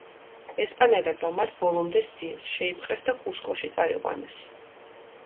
ესპანელებმა მათ ბოლომდე სდიეს, შეიპყრეს და კუსკოში წაიყვანეს.